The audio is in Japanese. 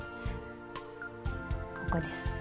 ここです。